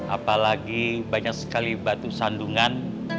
apalagi banyak sekali batu sandungan